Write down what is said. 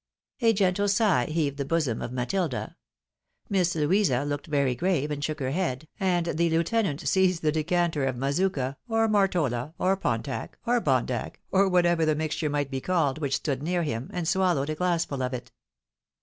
A gentle sigh heaved the bosom of Matilda. Miss Louisa looked very grave, and shook her head, and the heutenant seized the decanter of Mazooka, or Mortola, or Pontac, or Bondac, or whatever the mixture might be called which stood near Mm, and swallowed a glassful of it.